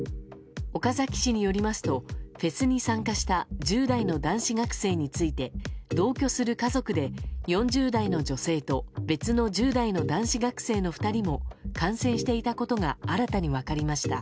岡崎市によりますとフェスに参加した１０代の男子学生について同居する家族で４０代の女性と別の１０代の男子学生の２人も感染していたことが新たに分かりました。